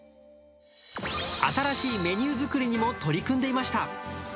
新しいメニュー作りにも取り組んでいました。